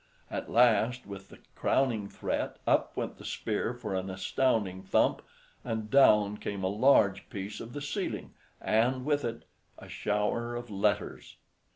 At last, with the crowning threat, up went the spear for an astounding thump, and down came a large piece of the ceiling, and with it—a shower of letters.